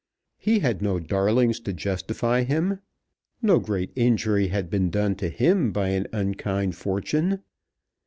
He had no darlings to justify him! No great injury had been done to him by an unkind fortune!